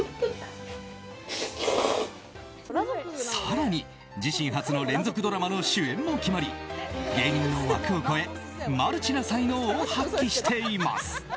更に、自身初の連続ドラマの主演も決まり芸人の枠を超えマルチな才能を発揮しています。